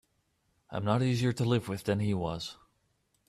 I'm not easier to live with than he was.